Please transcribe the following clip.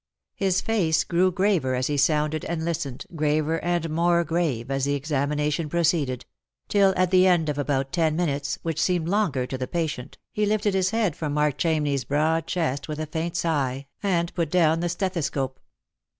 His face grew graver as he sounded and listened, graver and more grave as the examina tion proceeded, till at the end of about ten minutes, which seemed longer to the patient, he lifted his head from Mark Chamney's broad chest with a faint sigh, and put down the stethoscope.